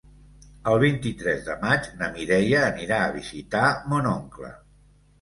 El vint-i-tres de maig na Mireia anirà a visitar mon oncle.